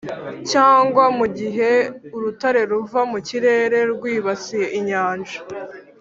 cyangwa mugihe urutare ruva mukirere rwibasiye inyanja.